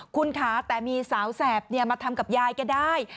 คุณคะแต่มีสาวแสบมาทำกับยายแกได้